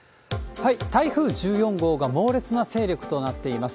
台風１４号が猛烈な勢力となっています。